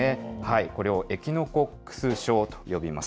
これをエキノコックス症と呼びます。